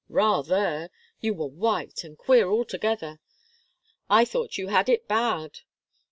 "Rather. You were white and queer altogether. I thought you 'had it bad.